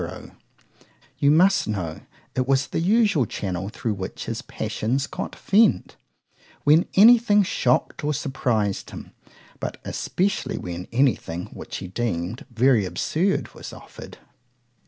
_——You must know it was the usual channel thro' which his passions got vent, when any thing shocked or surprized him:——but especially when any thing, which he deem'd very absurd, was offered.